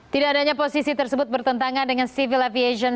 tidak adanya posisi tersebut bertentangan dengan civil aviation